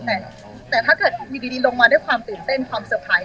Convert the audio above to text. แต่ถ้าเกิดอยู่ดีลงมาด้วยความตื่นเต้นความเซอร์ไพรส์